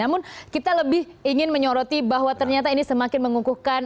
namun kita lebih ingin menyoroti bahwa ternyata ini semakin mengukuhkan